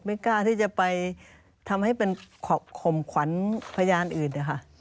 กล้าที่จะไปทำให้เป็นข่มขวัญพยานอื่นนะคะ